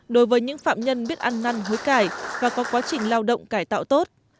đối với những phạm nhân biết ăn năn hối cải và có quá trình lao động cải tạo tốt